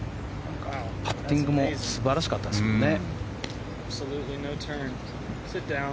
パッティングも素晴らしかったですね。